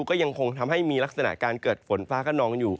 ก็ยังคงทำให้มีลักษณะการเกิดฝนฟ้าขนองอยู่